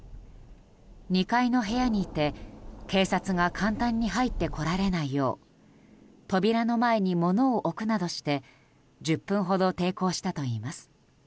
２階の部屋にいて、警察が簡単に入ってこられないよう扉の前に物を置くなどして１０分ほど抵抗したといいます。